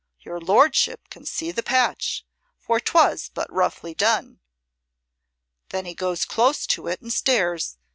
Your lordship can see the patch, for 'twas but roughly done.' Then he goes close to it and stares.